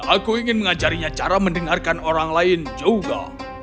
aku ingin mengajarinya cara mendengarkan orang lain juga